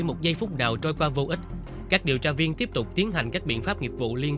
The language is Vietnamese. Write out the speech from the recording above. một giây phút nào trôi qua vô ích các điều tra viên tiếp tục tiến hành các biện pháp nghiệp vụ liên